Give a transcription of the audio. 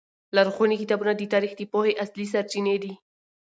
لرغوني کتابونه د تاریخ د پوهې اصلي سرچینې دي.